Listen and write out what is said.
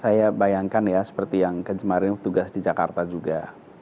saya bayangkan ya seperti yang kemarin tugas di jakarta juga